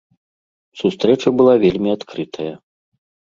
Сустрэча была вельмі адкрытая.